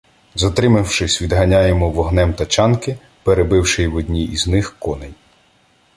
Затримавшись, відганяємо вогнем тачанки, перебивши в одній із них коней.